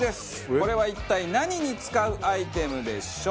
これは一体何に使うアイテムでしょう？